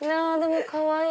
かわいい！